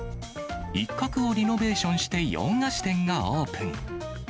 一角をリノベーションして洋菓子店がオープン。